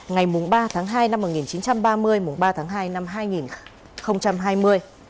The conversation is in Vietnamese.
ngày ba tháng hai năm một nghìn chín trăm ba mươi ba tháng hai năm hai nghìn hai mươi